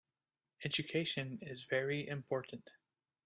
Education is very important.